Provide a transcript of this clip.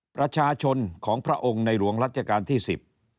ประชาชนของพระองค์ในหลวงรัชกาลที่สิบ